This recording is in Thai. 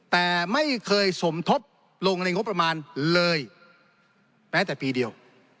แต่ไม่เคยสมทบลงในงบประมาณเลยแม้แต่ปีเดียว